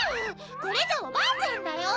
これじゃおばあちゃんだよ！